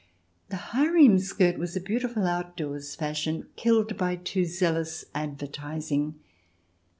The harem skirt was a beautiful outdoors fashion, killed by too zealous advertising.